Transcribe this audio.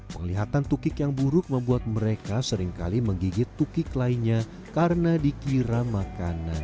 penglihatan tukik yang buruk membuat mereka seringkali menggigit tukik lainnya karena dikira makanan